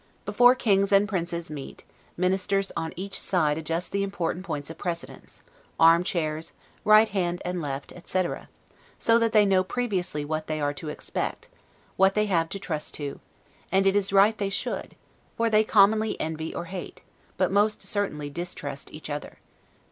Before kings and princes meet, ministers on each side adjust the important points of precedence, arm chairs, right hand and left, etc., so that they know previously what they are to expect, what they have to trust to; and it is right they should; for they commonly envy or hate, but most certainly distrust each other.